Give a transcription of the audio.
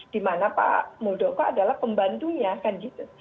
dimana pak muldoko adalah pembantunya kan gitu